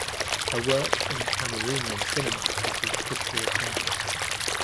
Her work in Cameroonian cinema has been critically acclaimed.